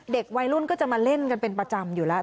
เด็กวัยรุ่นก็จะมาเล่นกันเป็นประจำอยู่แล้ว